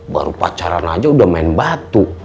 baru pacaran aja udah main batu